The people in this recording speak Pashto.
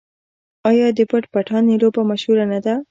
آیا د پټ پټانې لوبه مشهوره نه ده؟